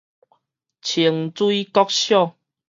清水國小